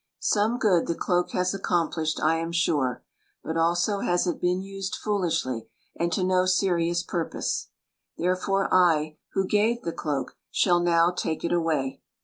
Some good the cloak aas accomplished, I am sure ,* but ako has it been used fooli^ly, and to no serious pur pose. Therefore I, who gave the cloak, shall now take it away.